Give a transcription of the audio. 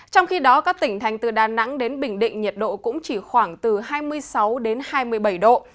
trong khi đó các tỉnh thành từ đà nẵng đến bình định nhiệt độ cũng chỉ khoảng từ hai mươi sáu đến hai mươi bảy độ